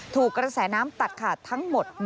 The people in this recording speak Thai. ถูกกระแสน้ำตัดขาดทั้งหมด